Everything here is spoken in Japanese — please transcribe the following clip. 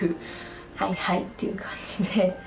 「はいはい」っていう感じで。